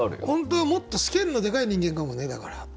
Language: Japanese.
本当はもっとスケールのでかい人間かもねだから。